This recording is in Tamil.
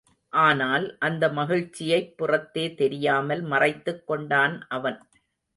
ஆனால், அந்த மகிழ்ச்சியைப் புறத்தே தெரியாமல் மறைத்துக் கொண்டான் அவன்.